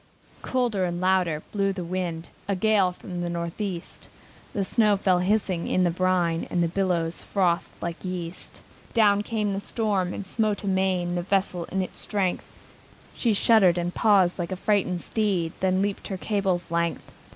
Colder and louder blew the wind, A gale from the Northeast, The snow fell hissing in the brine, And the billows frothed like yeast. Down came the storm, and smote amain, The vessel in its strength: She shuddered and paused, like a frighted steed, Then leaped her cable's length.